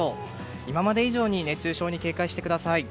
今まで以上に熱中症に警戒してください。